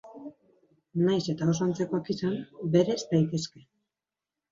Nahiz eta oso antzekoak izan, bereiz daitezke.